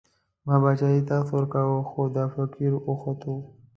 ما باچايي، تخت ورکوو، خو دا فقير وختو